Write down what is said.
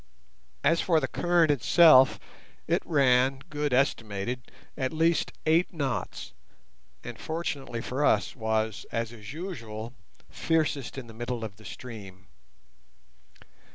As for the current itself, it ran, Good estimated, at least eight knots, and, fortunately for us, was, as is usual, fiercest in the middle of the stream.